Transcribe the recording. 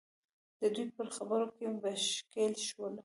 د دوی پر خبرو کې به ښکېل شولو.